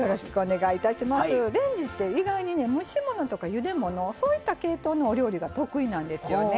レンジって意外に蒸し物とかゆで物そういった系統のお料理が得意なんですよね。